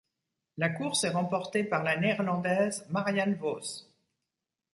La course est remportée par la Néerlandaise Marianne Vos.